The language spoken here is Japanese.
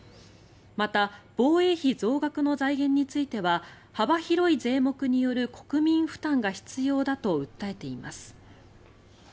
また防衛費増額の財源については幅広い税目による国民負担が必要だと訴えています。